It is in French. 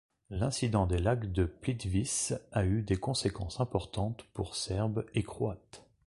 L'incident des lacs de Plitvice a eu des conséquences importantes pour Serbes et Croates.